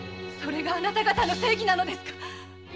それがあなた方の正義なのですか！